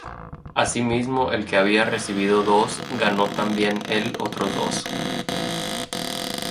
Asimismo el que había recibido dos, ganó también él otros dos.